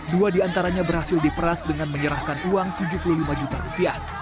dua diantaranya berhasil diperas dengan menyerahkan uang tujuh puluh lima juta rupiah